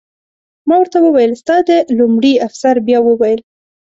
ما ورته وویل: ستا د... لومړي افسر بیا وویل.